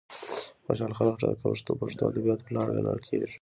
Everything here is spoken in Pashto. خوشال خټک د پښتو ادبیاتوپلار کڼل کیږي.